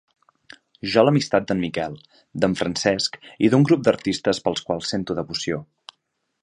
Jo l'amistat d'en Miquel, d'en Francesc i d'un grup d'artistes pels quals sento devoció.